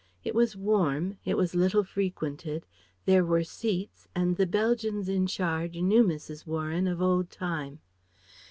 It was warm; it was little frequented; there were seats and the Belgians in charge knew Mrs. Warren of old time.